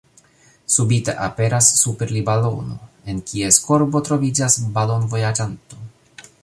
Subite aperas super li balono, en kies korbo troviĝas balon-vojaĝanto.